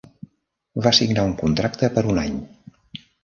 Va signar un contracte per un any.